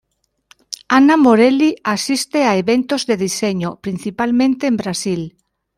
Ana Morelli asiste a eventos de diseño, principalmente en Brasil.